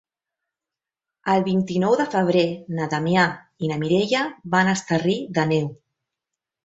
El vint-i-nou de febrer na Damià i na Mireia van a Esterri d'Àneu.